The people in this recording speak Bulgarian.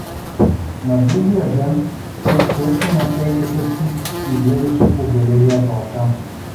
На другия ден той стоеше на пейката си и гледаше побелелия Балкан.